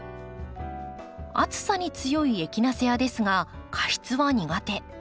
暑さに強いエキナセアですが過湿は苦手。